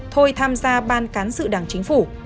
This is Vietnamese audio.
thôi tham gia ban cán sự đảng chính phủ